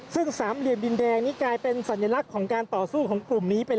ซึ่งสามเหลี่ยมดินแดงนี่กลายเป็นสัญลักษณ์ของการต่อสู้ของกลุ่มนี้ไปแล้ว